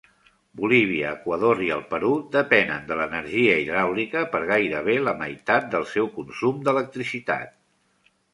Bolívia, Ecuador i el Perú depenen de l'energia hidràulica per gairebé la meitat del seu consum d'electricitat.